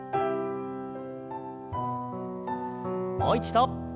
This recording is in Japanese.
もう一度。